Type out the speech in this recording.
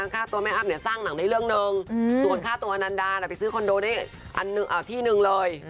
ค่าตัวแม่อ้ำเนี่ยสร้างหนังได้เรื่องหนึ่งส่วนค่าตัวอนันดาไปซื้อคอนโดได้ที่หนึ่งเลย